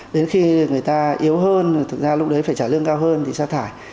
đến khi người ta yếu hơn thực ra lúc đấy phải trả lương cao hơn thì xa thải